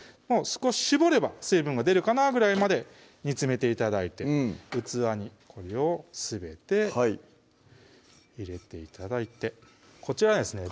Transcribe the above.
少し絞れば水分が出るかなぐらいまで煮詰めて頂いて器にこれをすべて入れて頂いてこちらですね